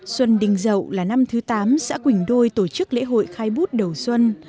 xuân đình dậu là năm thứ tám xã quỳnh đôi tổ chức lễ hội khai bút đầu xuân